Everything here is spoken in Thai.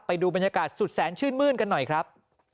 ไปดูบรรยากาศสุดแสนชื่นมื้นกันหน่อยครับ